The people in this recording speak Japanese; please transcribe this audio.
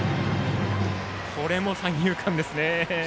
これも三遊間ですね。